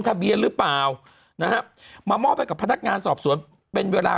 ทะเบียนหรือเปล่านะฮะมามอบให้กับพนักงานสอบสวนเป็นเวลา